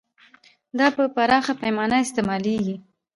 دا په پراخه پیمانه استعمالیږي.